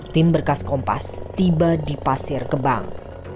tim berkas kompas tiba di pasir kebang